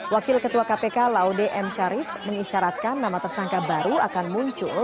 wakil ketua kpk laude m syarif mengisyaratkan nama tersangka baru akan muncul